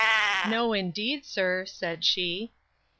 No, indeed, sir, said she.